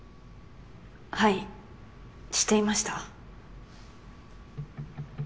はいしていました。